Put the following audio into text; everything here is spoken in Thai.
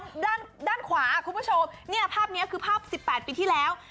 ด้านด้านขวาคุณผู้ชมเนี่ยภาพนี้คือภาพ๑๘ปีที่แล้ว